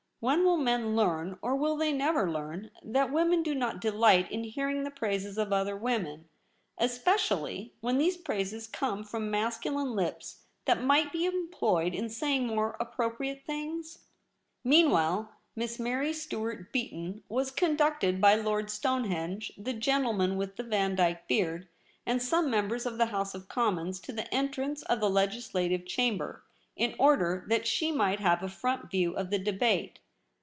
When will men learn, or will they never learn, that women do not delight in hearing the praises of other women ; espe cially when these praises come from masculine lips that might be employed in saying more appropriate things ? Meanwhile Miss Mary Stuart Beaton was conducted by Lord Stonehenge, the gentle man with the Vandyke beard, and some members of the House of Commons, to the entrance of the Legislative Chamber, in order that she might have a front view of the debate.